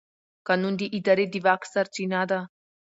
قانون د ادارې د واک سرچینه ده.